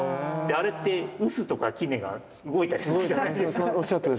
あれって臼とか杵が動いたりするじゃないですか。